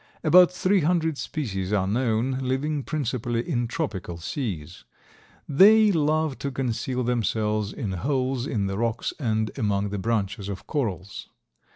About three hundred species are known, living principally in tropical seas. They love to conceal themselves in holes in the rocks and among the branches of corals.